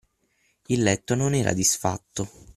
Il letto non era disfatto.